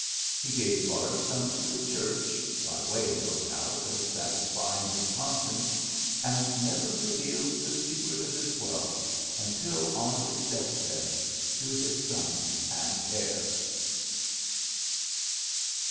He gave large sums to the ciiurch, by way, no doubt, of satisfying his conscience, and never revealed the secret of the wealth until on his death oed, to his son and heir.